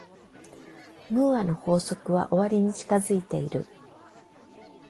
ムーアの法則は終わりに近づいている。